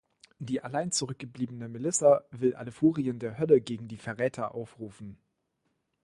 Die allein zurückgebliebene Melissa will alle Furien der Hölle gegen die „Verräter“ aufrufen.